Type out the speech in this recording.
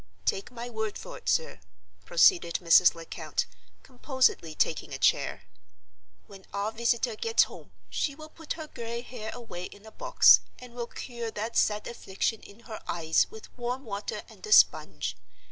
"Take my word for it, sir," proceeded Mrs. Lecount, composedly taking a chair. "When our visitor gets home she will put her gray hair away in a box, and will cure that sad affliction in her eyes with warm water and a sponge.